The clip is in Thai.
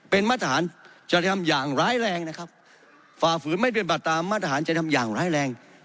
เป็นมาตรฐานจะทำอย่างร้ายแรงนะครับฝ่าฝืนไม่เป็นบัติตามมาตรฐานจะทำอย่างร้ายแรง